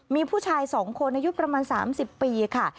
มีผู้ชาย๒คนอายุประมาณ๓๐ปีค่ะ